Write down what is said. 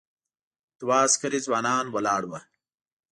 دوه عسکري ځوانان ولاړ و.